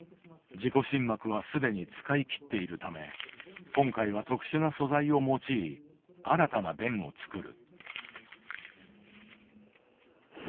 自己心膜は既に使い切っているため今回は特殊な素材を用い新たな弁を作る。